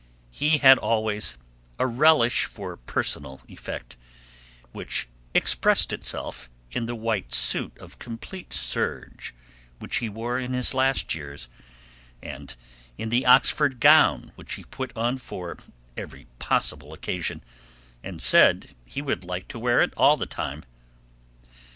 He had always a relish for personal effect, which expressed itself in the white suit of complete serge which he wore in his last years, and in the Oxford gown which he put on for every possible occasion, and said he would like to wear all the time.